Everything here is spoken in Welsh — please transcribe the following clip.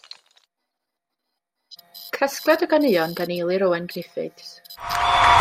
Casgliad o ganeuon gan Eilir Owen Griffiths.